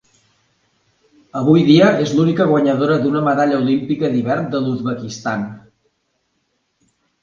Avui dia és l'única guanyadora d'una medalla olímpica d'hivern de l'Uzbekistan.